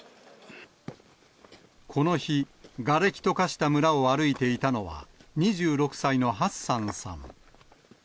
この日、がれきと化した村を歩いていたのは、２６歳のハッサンさん。